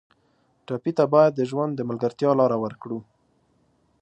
ټپي ته باید د ژوند د ملګرتیا لاره ورکړو.